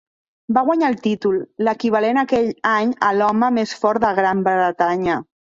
Va guanyar el títol, l'equivalent aquell any a l'Home més fort de Gran Bretanya.